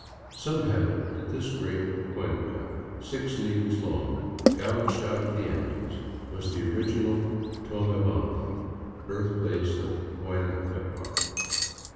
Some have it that this great cuenca, six leagues long, gouged out of the Andes, was the original Tonie bamba, birthplace of Huayna Ccapac.